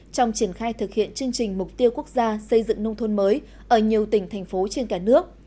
trong triển khai thực hiện chương trình mục tiêu quốc gia xây dựng nông thôn mới ở nhiều tỉnh thành phố trên cả nước